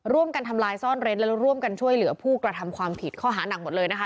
ร่วมกันทำลายซ่อนเร้นและร่วมกันช่วยเหลือผู้กระทำความผิดข้อหานักหมดเลยนะคะ